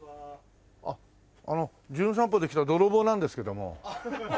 あの『じゅん散歩』で来た泥棒なんですけども。